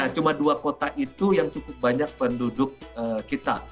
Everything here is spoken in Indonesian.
jadi itu adalah dua kota itu yang cukup banyak penduduk kita